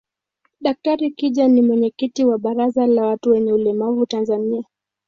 Daktari kija ni mwenyekiti wa baraza la watu wenye ulemavu Tanzania